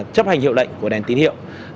chấp hành hiệu lệnh của đèn tín hiệu